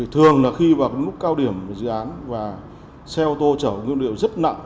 thường là khi vào lúc cao điểm dự án và xe ô tô chở nguyên liệu rất nặng